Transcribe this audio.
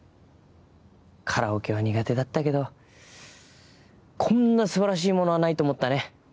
カラオケは苦手だったけどこんな素晴らしいものはないと思ったね。